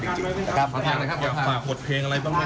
จริงจริงนะครับขอโทษนะครับอยากฝากบทเพลงอะไรบ้างนะฮะ